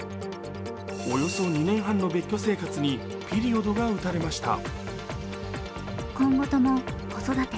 およそ２年半の別居生活にピリオドが打たれました。